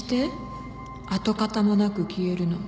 跡形もなく消えるの